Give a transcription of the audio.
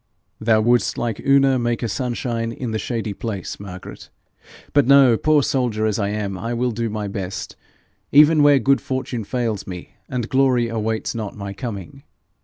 'Thou wouldst like Una make a sunshine in the shady place, Margaret. But no. Poor soldier as I am, I will do my best, even where good fortune fails me, and glory awaits not my coming.